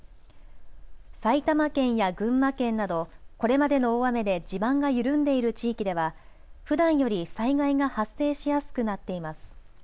埼玉県や群馬県など、これまでの大雨で地盤が緩んでいる地域ではふだんより災害が発生しやすくなっています。